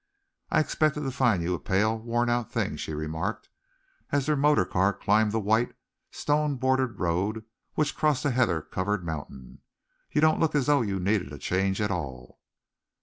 "I expected to find you a pale, worn out thing," she remarked, as their motor car climbed the white, stone bordered road which crossed the heather covered mountain. "You don't look as though you needed a change at all."